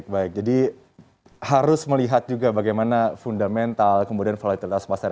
baik jadi harus melihat juga bagaimana fundamental kemudian volatilitas pasar